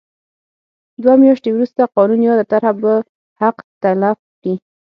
دوه میاشتې وروسته قانون یاده طرحه به حق تلف کړي.